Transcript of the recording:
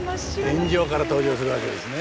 天井から登場するわけですね。